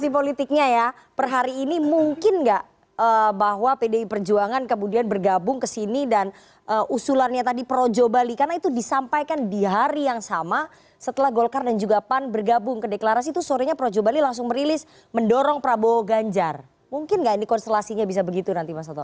politiknya ya per hari ini mungkin nggak bahwa pdi perjuangan kemudian bergabung ke sini dan usulannya tadi projo bali karena itu disampaikan di hari yang sama setelah golkar dan juga pan bergabung ke deklarasi itu sorenya projo bali langsung merilis mendorong prabowo ganjar mungkin nggak ini konstelasinya bisa begitu nanti mas soto